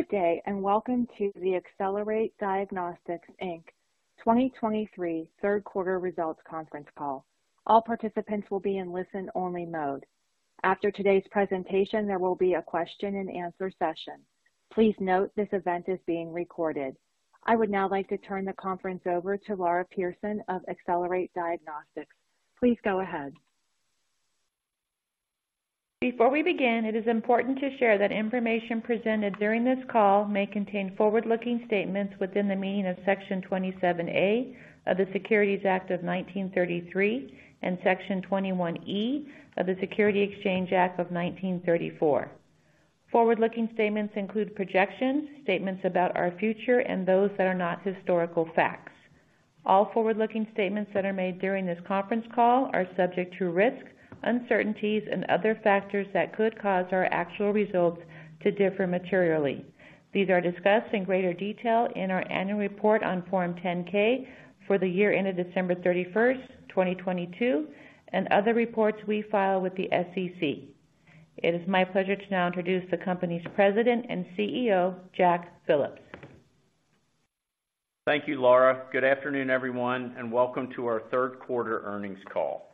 Good day, and welcome to the Accelerate Diagnostics, Inc. 2023 third quarter results conference call. All participants will be in listen-only mode. After today's presentation, there will be a question-and-answer session. Please note, this event is being recorded. I would now like to turn the conference over to Laura Pierson of Accelerate Diagnostics. Please go ahead. Before we begin, it is important to share that information presented during this call may contain forward-looking statements within the meaning of Section 27A of the Securities Act of 1933 and Section 21E of the Securities Exchange Act of 1934. Forward-looking statements include projections, statements about our future, and those that are not historical facts. All forward-looking statements that are made during this conference call are subject to risks, uncertainties, and other factors that could cause our actual results to differ materially. These are discussed in greater detail in our annual report on Form 10-K for the year ended December 31, 2022, and other reports we file with the SEC. It is my pleasure to now introduce the company's President and CEO, Jack Phillips. Thank you, Laura. Good afternoon, everyone, and welcome to our third quarter earnings call.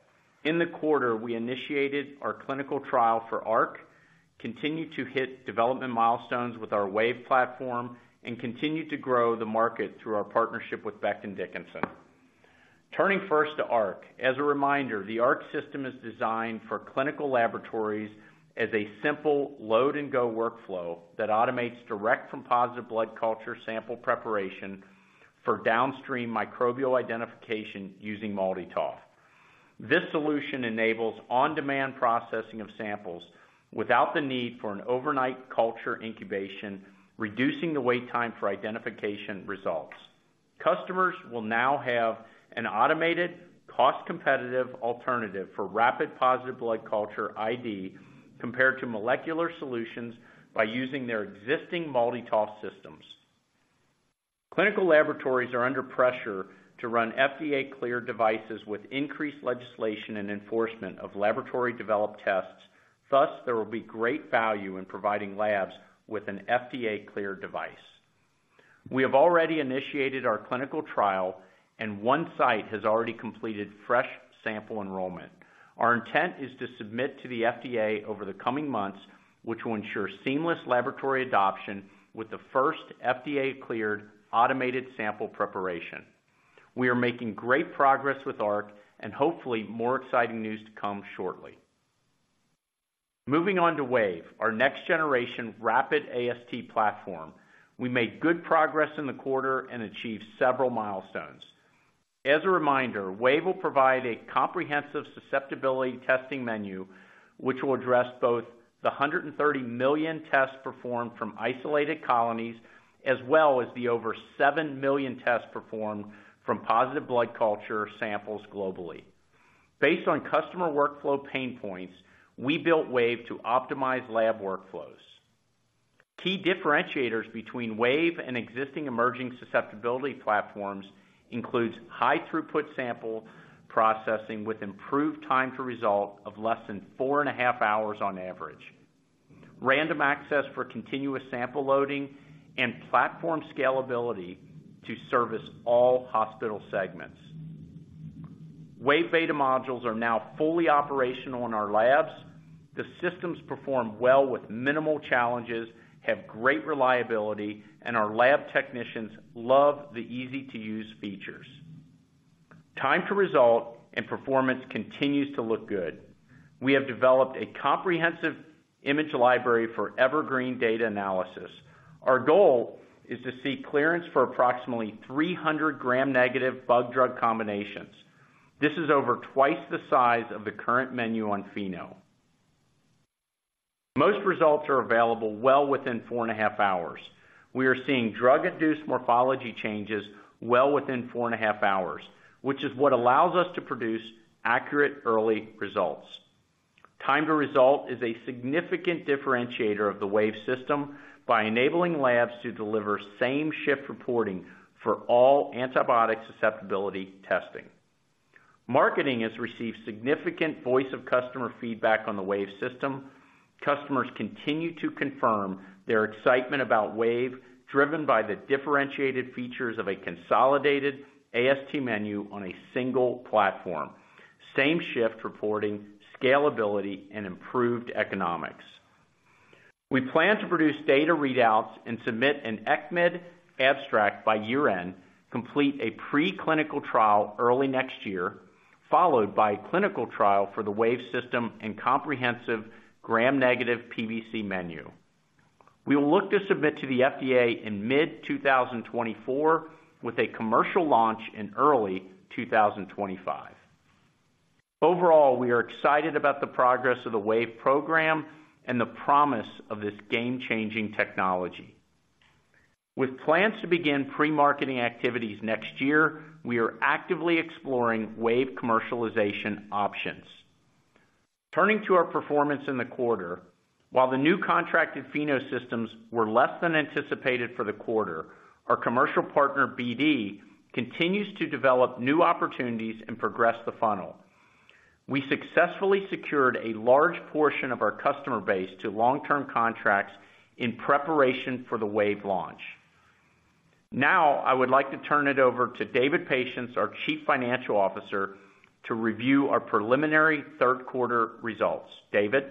In the quarter, we initiated our clinical trial for Arc, continued to hit development milestones with our WAVE platform, and continued to grow the market through our partnership with Becton Dickinson. Turning first to Arc. As a reminder, the Arc system is designed for clinical laboratories as a simple load-and-go workflow that automates direct from positive blood culture sample preparation for downstream microbial identification using MALDI-TOF. This solution enables on-demand processing of samples without the need for an overnight culture incubation, reducing the wait time for identification results. Customers will now have an automated, cost-competitive alternative for rapid positive blood culture ID compared to molecular solutions by using their existing MALDI-TOF systems. Clinical laboratories are under pressure to run FDA-cleared devices with increased legislation and enforcement of laboratory-developed tests. Thus, there will be great value in providing labs with an FDA-cleared device. We have already initiated our clinical trial, and one site has already completed fresh sample enrollment. Our intent is to submit to the FDA over the coming months, which will ensure seamless laboratory adoption with the first FDA-cleared automated sample preparation. We are making great progress with Arc and hopefully more exciting news to come shortly. Moving on to WAVE, our next generation rapid AST platform. We made good progress in the quarter and achieved several milestones. As a reminder, WAVE will provide a comprehensive susceptibility testing menu, which will address both the 130 million tests performed from isolated colonies, as well as the over 7 million tests performed from positive blood culture samples globally. Based on customer workflow pain points, we built WAVE to optimize lab workflows. Key differentiators between WAVE and existing emerging susceptibility platforms includes high throughput sample processing with improved time to result of less than 4.5 hours on average, random access for continuous sample loading, and platform scalability to service all hospital segments. WAVE beta modules are now fully operational in our labs. The systems perform well with minimal challenges, have great reliability, and our lab technicians love the easy-to-use features. Time to result and performance continues to look good. We have developed a comprehensive image library for evergreen data analysis. Our goal is to seek clearance for approximately 300 Gram-negative bug-drug combinations. This is over twice the size of the current menu on Pheno. Most results are available well within 4.5 hours. We are seeing drug-induced morphology changes well within 4.5 hours, which is what allows us to produce accurate, early results. Time to result is a significant differentiator of the WAVE system by enabling labs to deliver same-shift reporting for all antibiotic susceptibility testing. Marketing has received significant voice of customer feedback on the WAVE system. Customers continue to confirm their excitement about WAVE, driven by the differentiated features of a consolidated AST menu on a single platform, same-shift reporting, scalability, and improved economics. We plan to produce data readouts and submit an ECCMID abstract by year-end, complete a preclinical trial early next year, followed by a clinical trial for the WAVE system and comprehensive Gram-negative PBC menu. We will look to submit to the FDA in mid-2024, with a commercial launch in early 2025. Overall, we are excited about the progress of the WAVE program and the promise of this game-changing technology. With plans to begin pre-marketing activities next year, we are actively exploring WAVE commercialization options. Turning to our performance in the quarter, while the new contracted Pheno systems were less than anticipated for the quarter, our commercial partner, BD, continues to develop new opportunities and progress the funnel. We successfully secured a large portion of our customer base to long-term contracts in preparation for the WAVE launch. Now, I would like to turn it over to David Patience, our Chief Financial Officer, to review our preliminary third quarter results. David?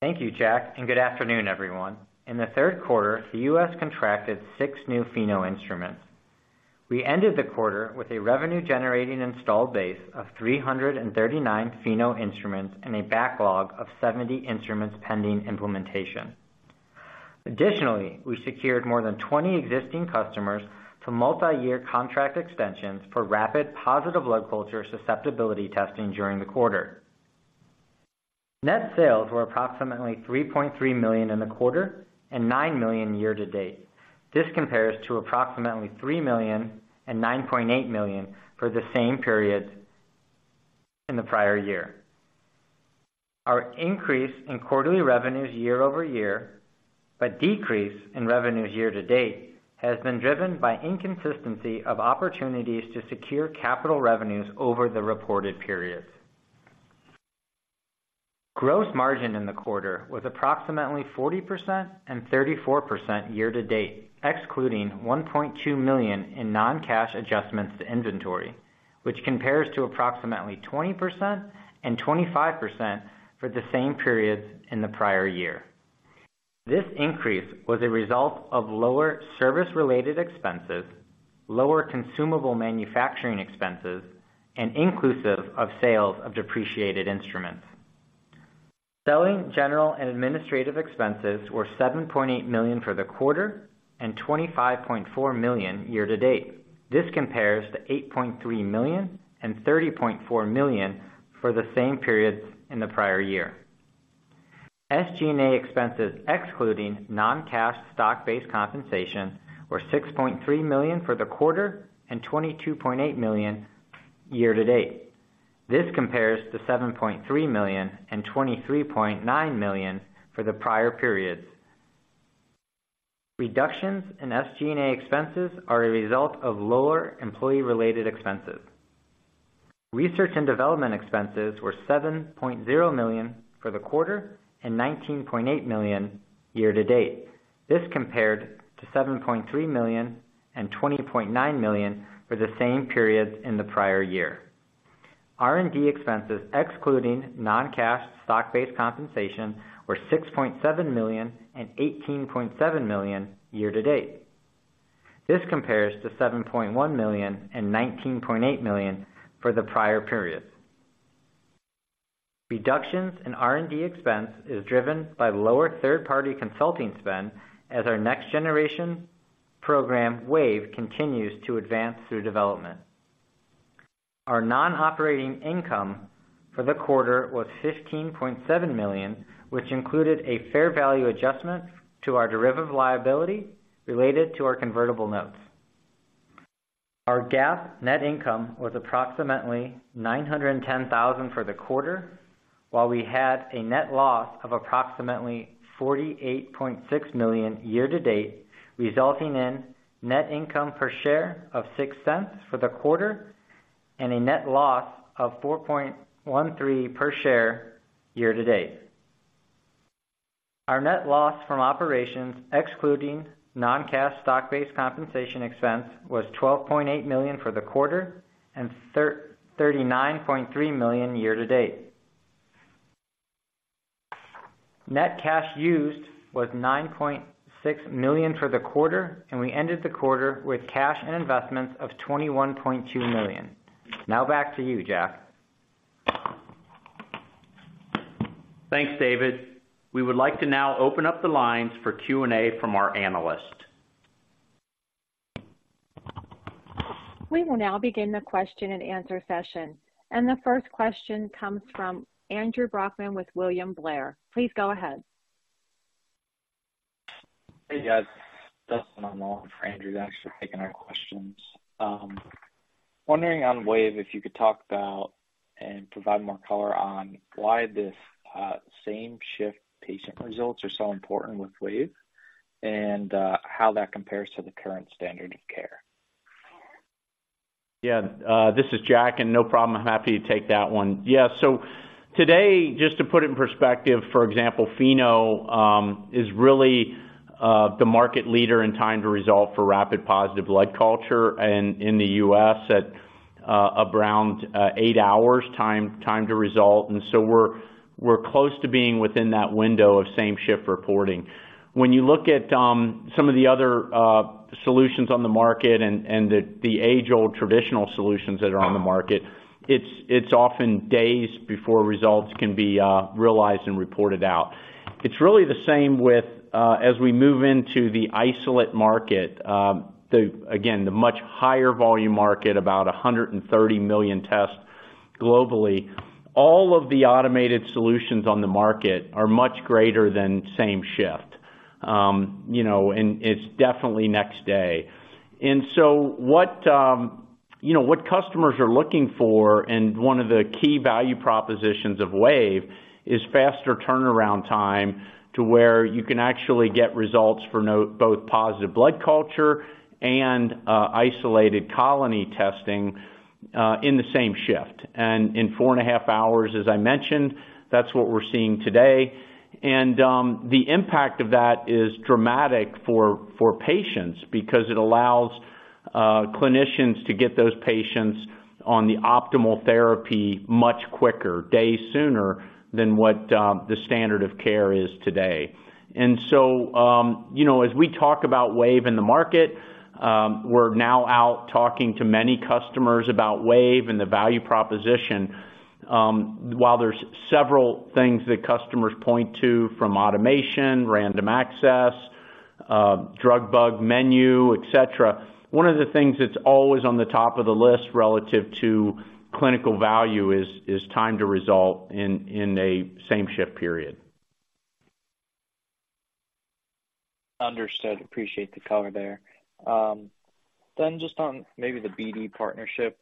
Thank you, Jack, and good afternoon, everyone. In the third quarter, the U.S. contracted six new Pheno instruments. We ended the quarter with a revenue-generating installed base of 339 Pheno instruments and a backlog of 70 instruments pending implementation. Additionally, we secured more than 20 existing customers to multi-year contract extensions for rapid positive blood culture susceptibility testing during the quarter. Net sales were approximately $3.3 million in the quarter and $9 million year-to-date. This compares to approximately $3 million and $9.8 million for the same period in the prior year. Our increase in quarterly revenues year-over-year, but decrease in revenues year-to-date, has been driven by inconsistency of opportunities to secure capital revenues over the reported periods. Gross margin in the quarter was approximately 40% and 34% year-to-date, excluding $1.2 million in non-cash adjustments to inventory, which compares to approximately 20% and 25% for the same periods in the prior year. This increase was a result of lower service-related expenses, lower consumable manufacturing expenses, and inclusive of sales of depreciated instruments. Selling general and administrative expenses were $7.8 million for the quarter and $25.4 million year-to-date. This compares to $8.3 million and $30.4 million for the same periods in the prior year. SG&A expenses, excluding non-cash stock-based compensation, were $6.3 million for the quarter and $22.8 million year-to-date. This compares to $7.3 million and $23.9 million for the prior periods. Reductions in SG&A expenses are a result of lower employee-related expenses. Research and development expenses were $7.0 million for the quarter and $19.8 million year-to-date. This compared to $7.3 million and $20.9 million for the same periods in the prior year. R&D expenses, excluding non-cash stock-based compensation, were $6.7 million and $18.7 million year-to-date. This compares to $7.1 million and $19.8 million for the prior periods. Reductions in R&D expense is driven by lower third-party consulting spend as our next generation program, WAVE, continues to advance through development. Our non-operating income for the quarter was $15.7 million, which included a fair value adjustment to our derivative liability related to our convertible notes. Our GAAP net income was approximately $910,000 for the quarter, while we had a net loss of approximately $48.6 million year-to-date, resulting in net income per share of $0.06 for the quarter and a net loss of $4.13 per share year-to-date. Our net loss from operations, excluding non-cash stock-based compensation expense, was $12.8 million for the quarter and $39.3 million year-to-date. Net cash used was $9.6 million for the quarter, and we ended the quarter with cash and investments of $21.2 million. Now back to you, Jack. Thanks, David. We would like to now open up the lines for Q&A from our analysts. We will now begin the question and answer session, and the first question comes from Andrew Brackmann with William Blair. Please go ahead. Hey, guys, Dustin on the line for Andrew, actually taking our questions. Wondering on WAVE, if you could talk about and provide more color on why this same-shift patient results are so important with WAVE and how that compares to the current standard of care. Yeah, this is Jack, and no problem. I'm happy to take that one. Yeah, so today, just to put it in perspective, for example, Pheno is really the market leader in time to resolve for rapid positive blood culture and in the U.S. at around eight hours time, time to result. And so we're close to being within that window of same shift reporting. When you look at some of the other solutions on the market and the age-old traditional solutions that are on the market, it's often days before results can be realized and reported out. It's really the same with as we move into the isolate market, the again, the much higher volume market, about 130 million tests globally. All of the automated solutions on the market are much greater than same shift. You know, and it's definitely next day. And so what, you know, what customers are looking for, and one of the key value propositions of WAVE, is faster turnaround time to where you can actually get results for both positive blood culture and isolated colony testing in the same shift. And in 4.5 hours, as I mentioned, that's what we're seeing today. And the impact of that is dramatic for patients because it allows clinicians to get those patients on the optimal therapy much quicker, days sooner than what the standard of care is today. And so, you know, as we talk about WAVE in the market, we're now out talking to many customers about WAVE and the value proposition. While there's several things that customers point to from automation, random access, drug bug menu, et cetera, one of the things that's always on the top of the list relative to clinical value is time to result in a same shift period. Understood. Appreciate the color there. Then just on maybe the BD partnership,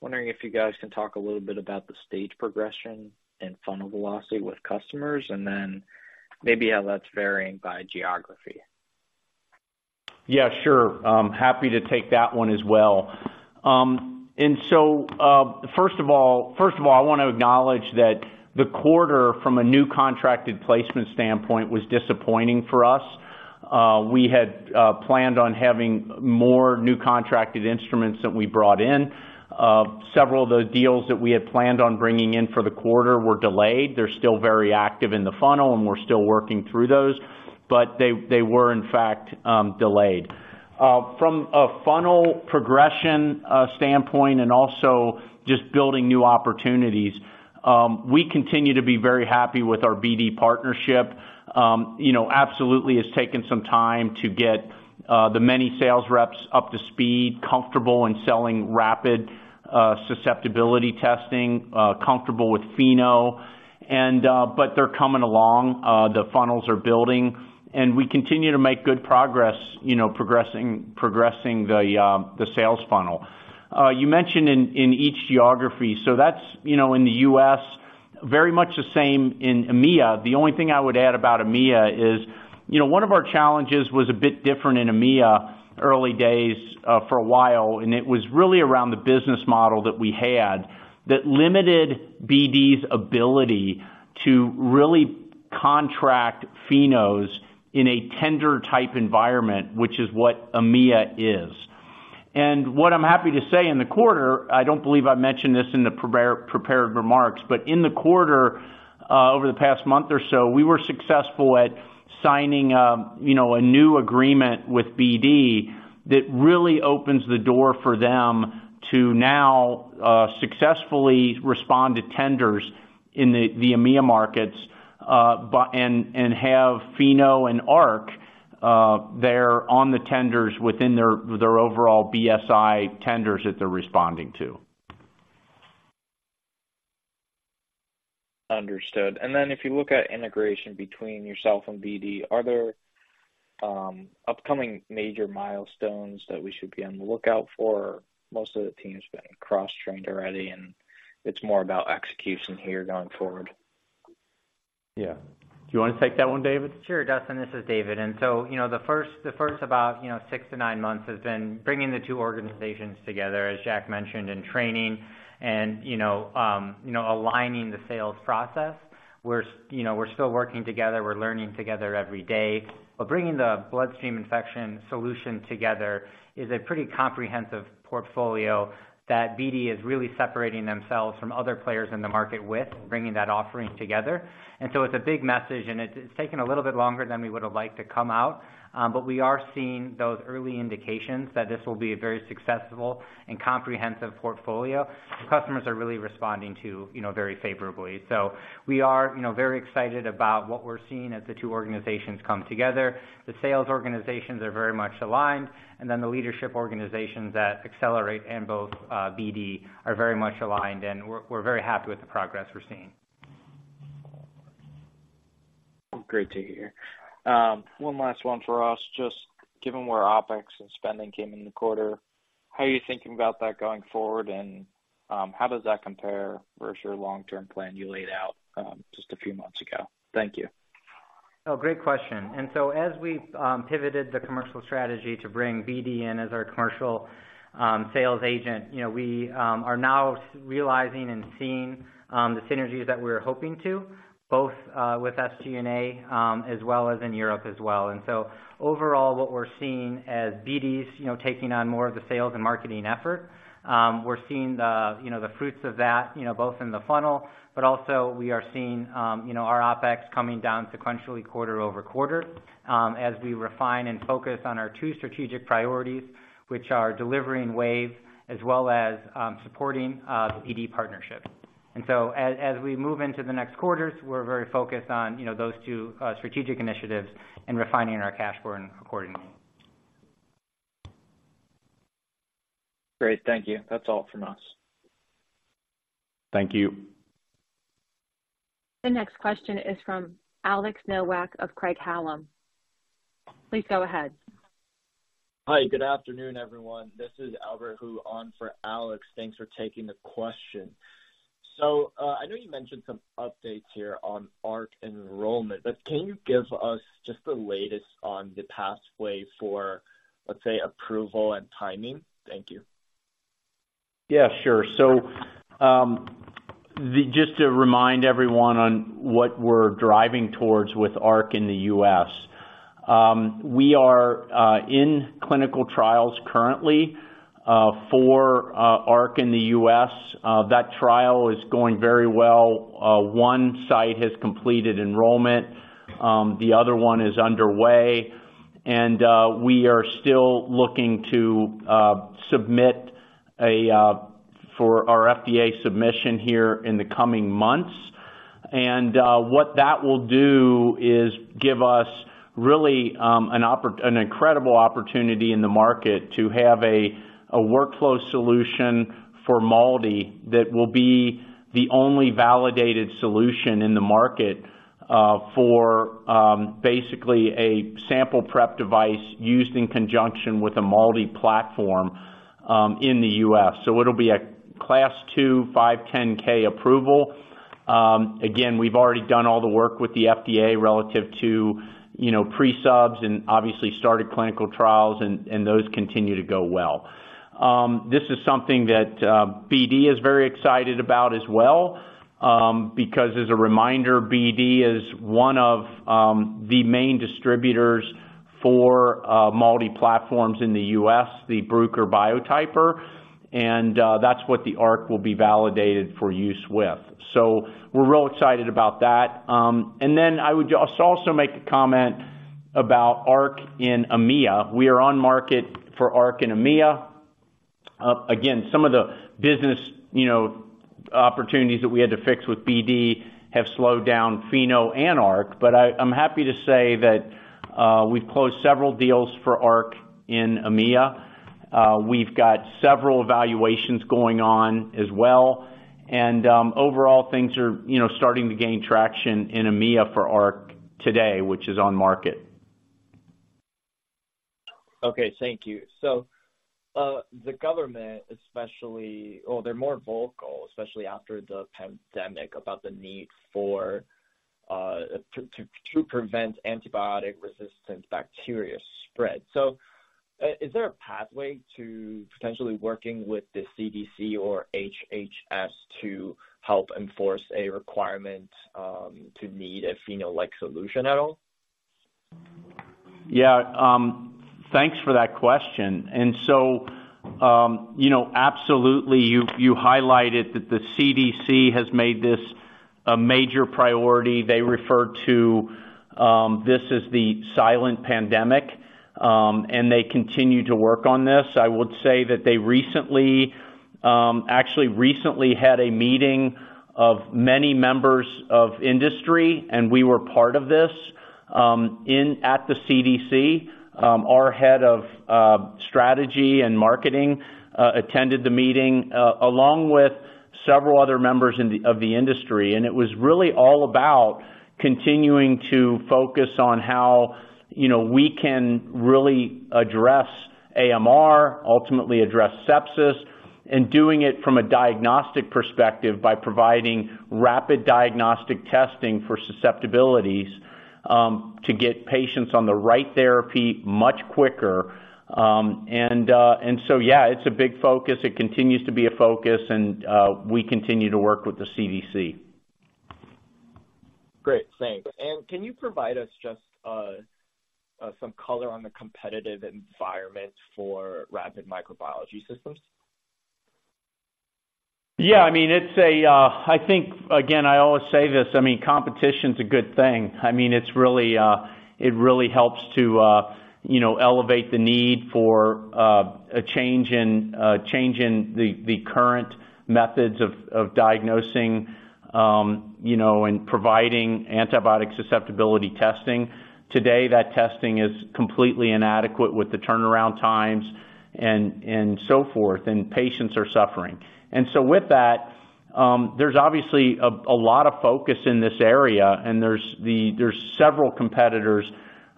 wondering if you guys can talk a little bit about the stage progression and funnel velocity with customers, and then maybe how that's varying by geography. Yeah, sure. I'm happy to take that one as well. And so, first of all, I want to acknowledge that the quarter, from a new contracted placement standpoint, was disappointing for us. We had planned on having more new contracted instruments than we brought in. Several of the deals that we had planned on bringing in for the quarter were delayed. They're still very active in the funnel, and we're still working through those, but they were, in fact, delayed. From a funnel progression standpoint and also just building new opportunities, we continue to be very happy with our BD partnership. You know, absolutely, it's taken some time to get the many sales reps up to speed, comfortable in selling rapid susceptibility testing, comfortable with Pheno, and but they're coming along, the funnels are building, and we continue to make good progress, you know, progressing, progressing the the sales funnel. You mentioned in each geography, so that's, you know, in the U.S., very much the same in EMEA. The only thing I would add about EMEA is, you know, one of our challenges was a bit different in EMEA, early days, for a while, and it was really around the business model that we had, that limited BD's ability to really contract Pheno's in a tender-type environment, which is what EMEA is. What I'm happy to say in the quarter, I don't believe I mentioned this in the prepared remarks, but in the quarter, over the past month or so, we were successful at signing, you know, a new agreement with BD that really opens the door for them to now successfully respond to tenders in the EMEA markets, and have Pheno and Arc there on the tenders within their overall BSI tenders that they're responding to. Understood. And then if you look at integration between yourself and BD, are there upcoming major milestones that we should be on the lookout for? Most of the team has been cross-trained already, and it's more about execution here going forward. Yeah. Do you want to take that one, David? Sure, Dustin, this is David. So, you know, the first about, you know, six to nine months has been bringing the two organizations together, as Jack mentioned, and training and, you know, aligning the sales process. We're, you know, we're still working together, we're learning together every day. But bringing the bloodstream infection solution together is a pretty comprehensive portfolio that BD is really separating themselves from other players in the market with, bringing that offering together. So it's a big message, and it's taken a little bit longer than we would have liked to come out, but we are seeing those early indications that this will be a very successful and comprehensive portfolio. The customers are really responding to, you know, very favorably. So we are, you know, very excited about what we're seeing as the two organizations come together. The sales organizations are very much aligned, and then the leadership organizations at Accelerate and both BD are very much aligned, and we're very happy with the progress we're seeing. Great to hear. One last one for us. Just given where OpEx and spending came in the quarter, how are you thinking about that going forward, and, how does that compare versus your long-term plan you laid out, just a few months ago? Thank you. Oh, great question. And so as we've pivoted the commercial strategy to bring BD in as our commercial sales agent, you know, we are now realizing and seeing the synergies that we're hoping to both with SG&A as well as in Europe as well. And so overall, what we're seeing as BD's taking on more of the sales and marketing effort, we're seeing the fruits of that, you know, both in the funnel, but also we are seeing our OpEx coming down sequentially quarter-over-quarter as we refine and focus on our two strategic priorities, which are delivering WAVE as well as supporting the BD partnership. So as we move into the next quarters, we're very focused on, you know, those two strategic initiatives and refining our cash burn accordingly. Great. Thank you. That's all from us. Thank you. The next question is from Alex Nowak of Craig-Hallum. Please go ahead. Hi, good afternoon, everyone. This is Albert Hu on for Alex. Thanks for taking the question... So, I know you mentioned some updates here on Arc enrollment, but can you give us just the latest on the pathway for, let's say, approval and timing? Thank you. Yeah, sure. So, just to remind everyone on what we're driving towards with Arc in the U.S. We are in clinical trials currently for Arc in the U.S. That trial is going very well. One site has completed enrollment, the other one is underway, and we are still looking to submit for our FDA submission here in the coming months. And, what that will do is give us really an incredible opportunity in the market to have a workflow solution for MALDI that will be the only validated solution in the market for basically a sample prep device used in conjunction with a MALDI platform in the U.S. So it'll be a Class II 510(k) approval. Again, we've already done all the work with the FDA relative to, you know, pre-subs and obviously started clinical trials, and those continue to go well. This is something that BD is very excited about as well, because as a reminder, BD is one of the main distributors for MALDI platforms in the U.S., the Bruker Biotyper, and that's what the Arc will be validated for use with. So we're real excited about that. And then I would also make a comment about Arc in EMEA. We are on market for Arc in EMEA. Again, some of the business, you know, opportunities that we had to fix with BD have slowed down Pheno and Arc, but I'm happy to say that we've closed several deals for Arc in EMEA. We've got several evaluations going on as well, and overall, things are, you know, starting to gain traction in EMEA for Arc today, which is on market. Okay, thank you. So, the government, especially... Well, they're more vocal, especially after the pandemic, about the need to prevent antibiotic-resistant bacteria spread. So, is there a pathway to potentially working with the CDC or HHS to help enforce a requirement to need a Pheno-like solution at all? Yeah, thanks for that question. And so, you know, absolutely, you highlighted that the CDC has made this a major priority. They refer to this as the silent pandemic, and they continue to work on this. I would say that they recently, actually recently had a meeting of many members of industry, and we were part of this at the CDC. Our head of strategy and marketing attended the meeting along with several other members of the industry, and it was really all about continuing to focus on how, you know, we can really address AMR, ultimately address sepsis, and doing it from a diagnostic perspective by providing rapid diagnostic testing for susceptibilities to get patients on the right therapy much quicker. And so, yeah, it's a big focus. It continues to be a focus, and we continue to work with the CDC. Great, thanks. Can you provide us just some color on the competitive environment for rapid microbiology systems? Yeah, I mean, it's a, I think, again, I always say this, I mean, competition's a good thing. I mean, it's really, it really helps to, you know, elevate the need for, a change in, a change in the, the current methods of, of diagnosing, you know, and providing antibiotic susceptibility testing. Today, that testing is completely inadequate with the turnaround times and, and so forth, and patients are suffering. And so with that, there's obviously a, a lot of focus in this area, and there's several competitors,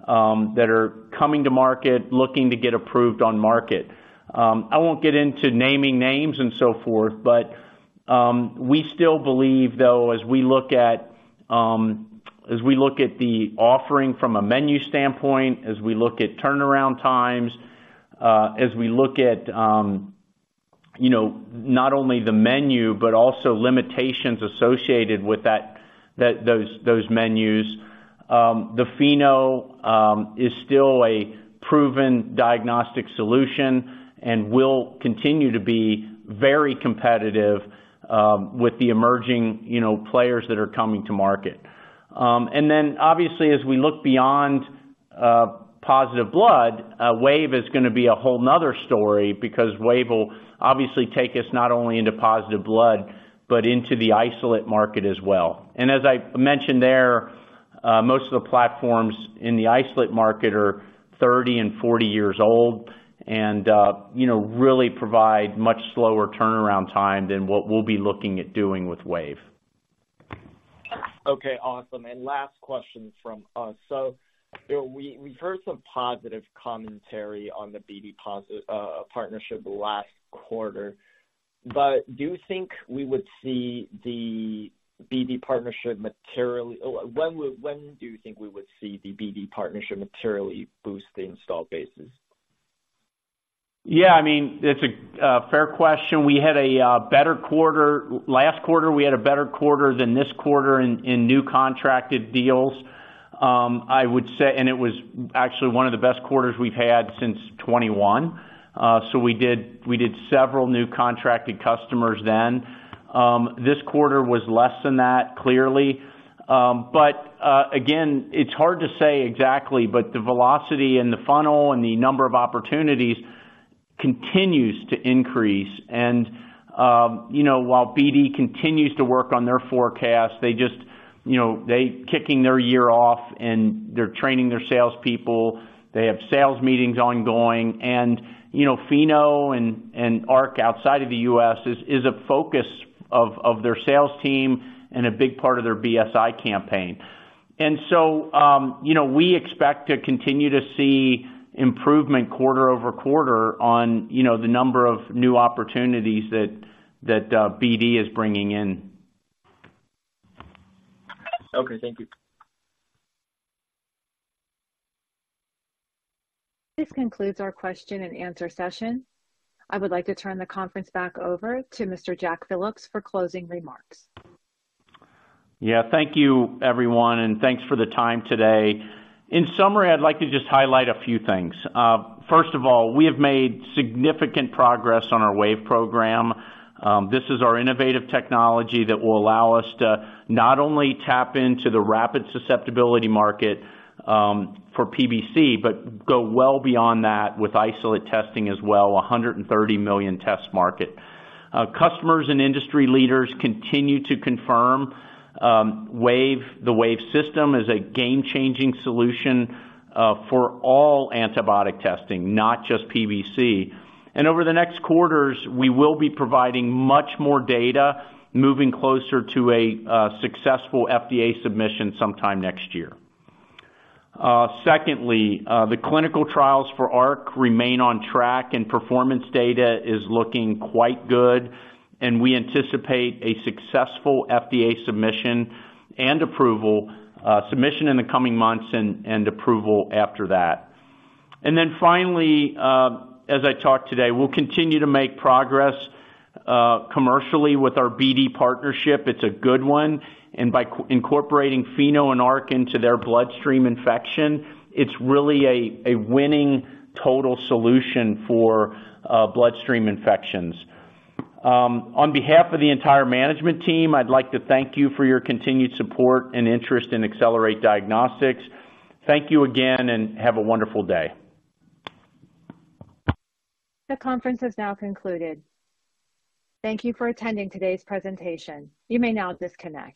that are coming to market, looking to get approved on market. I won't get into naming names and so forth, but we still believe, though, as we look at the offering from a menu standpoint, as we look at turnaround times, as we look at you know, not only the menu, but also limitations associated with that, those menus, the Pheno is still a proven diagnostic solution and will continue to be very competitive with the emerging, you know, players that are coming to market. And then, obviously, as we look beyond positive blood, WAVE is gonna be a whole another story because WAVE will obviously take us not only into positive blood, but into the isolate market as well. And as I mentioned there, most of the platforms in the isolate market are 30 and 40 years old and, you know, really provide much slower turnaround time than what we'll be looking at doing with WAVE.... Okay, awesome. And last question from us. So, you know, we, we've heard some positive commentary on the BD partnership last quarter, but do you think we would see the BD partnership materially or when would, when do you think we would see the BD partnership materially boost the installed bases? Yeah, I mean, it's a fair question. We had a better quarter. Last quarter, we had a better quarter than this quarter in new contracted deals. I would say, and it was actually one of the best quarters we've had since 2021. So we did several new contracted customers then. This quarter was less than that, clearly. But again, it's hard to say exactly, but the velocity and the funnel and the number of opportunities continues to increase. And you know, while BD continues to work on their forecast, they just, you know, they kicking their year off and they're training their salespeople, they have sales meetings ongoing, and you know, Pheno and Arc outside of the U.S. is a focus of their sales team and a big part of their BSI campaign. So, you know, we expect to continue to see improvement quarter-over-quarter on, you know, the number of new opportunities that BD is bringing in. Okay, thank you. This concludes our question and answer session. I would like to turn the conference back over to Mr. Jack Phillips for closing remarks. Yeah, thank you, everyone, and thanks for the time today. In summary, I'd like to just highlight a few things. First of all, we have made significant progress on our WAVE program. This is our innovative technology that will allow us to not only tap into the rapid susceptibility market, for PBC, but go well beyond that with isolate testing as well, a 130 million test market. Customers and industry leaders continue to confirm, WAVE, the WAVE system, is a game-changing solution, for all antibiotic testing, not just PBC. And over the next quarters, we will be providing much more data, moving closer to a successful FDA submission sometime next year. Secondly, the clinical trials for Arc remain on track, and performance data is looking quite good, and we anticipate a successful FDA submission and approval, submission in the coming months and approval after that. And then finally, as I talked today, we'll continue to make progress commercially with our BD partnership. It's a good one, and by incorporating Pheno and Arc into their bloodstream infection, it's really a winning total solution for bloodstream infections. On behalf of the entire management team, I'd like to thank you for your continued support and interest in Accelerate Diagnostics. Thank you again, and have a wonderful day. The conference has now concluded. Thank you for attending today's presentation. You may now disconnect.